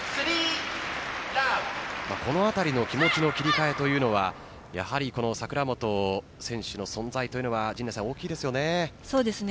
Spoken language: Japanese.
このあたりの気持ちの切り替えというのはやはり櫻本選手の存在というのは大きいですよね。